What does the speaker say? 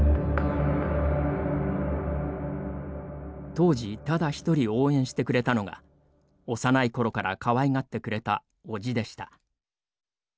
当時ただ一人応援してくれたのが幼いころからかわいがってくれた叔父でした。